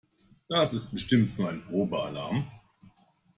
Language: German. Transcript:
Das ist bestimmt nur ein Probealarm.